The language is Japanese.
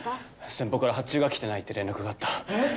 先方から発注が来てないって連絡があったえっ？